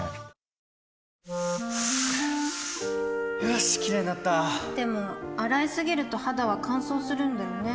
よしキレイになったでも、洗いすぎると肌は乾燥するんだよね